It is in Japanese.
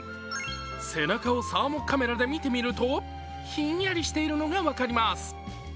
背中をサーモカメラで見てみると、ひんやりしているのが分かります。